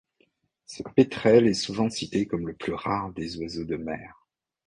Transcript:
Ce pétrel est souvent cité comme le plus rare des oiseaux de mer.